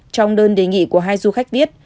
trong đơn đề nghị của hai du khách viết